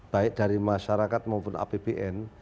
baik dari masyarakat maupun apbn